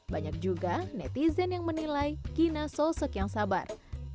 banyak juga netizen yang menilai kina sosok yang sabar